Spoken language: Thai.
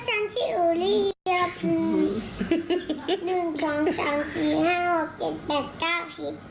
โอ้โฮเวลาให้ได้